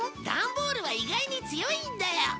ダンボールは意外に強いんだよ